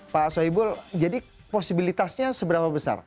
pak soebul jadi posibilitasnya seberapa besar